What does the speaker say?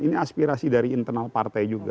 ini aspirasi dari internal partai juga